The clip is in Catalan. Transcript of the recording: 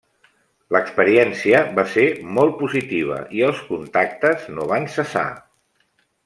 L’experiència va ser molt positiva i els contactes no van cessar.